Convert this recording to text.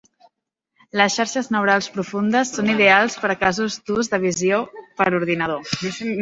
Les xarxes neurals profundes són ideals per a casos d'ús de visió per ordinador.